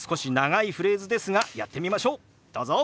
どうぞ。